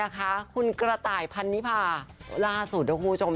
คุณกระต่ายพันนิพาล่าสุดนะคุณผู้ชม